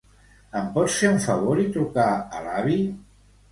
Em pots fer un favor i trucar a l'avi?